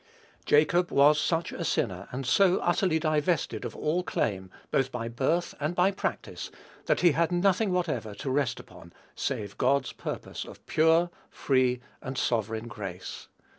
Jacob was such a sinner, and so utterly divested of all claim, both by birth and by practice, that he had nothing whatever to rest upon save God's purpose of pure, free, and sovereign grace.